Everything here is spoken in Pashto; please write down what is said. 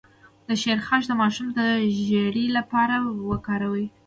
د شیرخشت د ماشوم د ژیړي لپاره وکاروئ